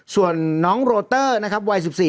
ส่วนน้องโรเตอร์นะครับวัย๑๔